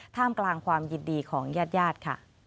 ท่ามกลางความยินดีของญาติญาติค่ะ